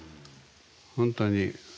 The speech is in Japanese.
本当に。